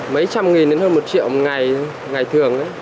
mấy trăm nghìn đến hơn một triệu một ngày ngày thường đấy